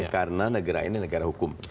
karena negara ini negara hukum